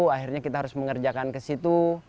akhirnya kita harus mengerjakan ke situ